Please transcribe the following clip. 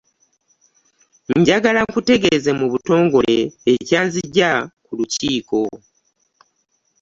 Njagala nkutegeeze mu butongole ekyanzigya ku lukiiko.